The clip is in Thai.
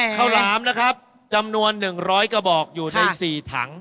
หลามนะครับจำนวน๑๐๐กระบอกอยู่ใน๔ถัง